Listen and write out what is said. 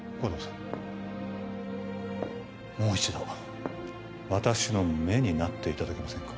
もう一度、私の目になっていただけませんか？